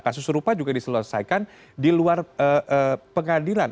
kasus serupa juga diselesaikan di luar pengadilan